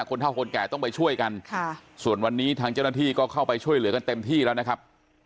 เท่าคนแก่ต้องไปช่วยกันส่วนวันนี้ทางเจ้าหน้าที่ก็เข้าไปช่วยเหลือกันเต็มที่แล้วนะครับ